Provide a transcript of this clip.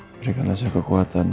berikanlah saya kekuatan